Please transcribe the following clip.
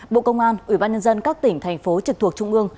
bộ công an ubnd các tỉnh thành phố trực thuộc trung ương